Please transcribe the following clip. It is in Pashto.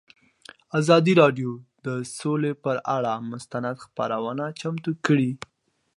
ازادي راډیو د سوله پر اړه مستند خپرونه چمتو کړې.